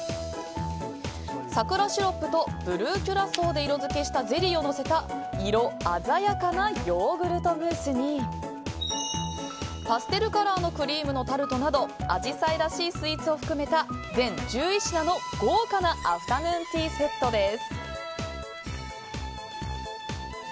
桜シロップとブルーキュラソーをかけた色鮮やかなヨーグルトムースにパステルカラーのクリームのタルトなどアジサイらしいスイーツを含めた全１１品の豪華なアフタヌーンティーセットです。